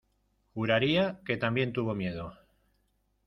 juraría que también tuvo miedo: